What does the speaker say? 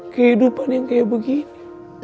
kehidupan yang kayak begini